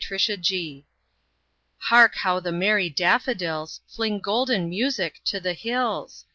Spring HARK how the merry daffodils, Fling golden music to the hills!